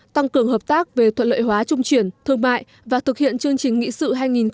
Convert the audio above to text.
tăng cường hợp tác về thuận lợi hóa trung chuyển thương mại và thực hiện chương trình nghị sự hai nghìn ba mươi